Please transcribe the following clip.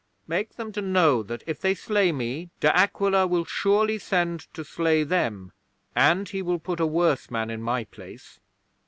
Make them to know that if they slay me De Aquila will surely send to slay them, and he will put a worse man in my place."